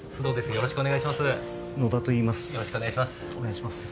よろしくお願いします